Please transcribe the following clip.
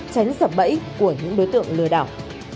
tránh sập bẫy của những đối tượng lừa đảo